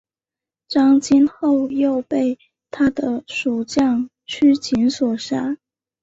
张津后又被他的属将区景所杀。